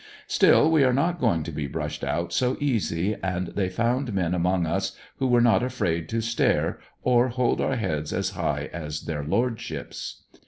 Still we are not going to be brushed out so easy and they found men among us who were not afraid to stare, or hold our heads as high as their lordships.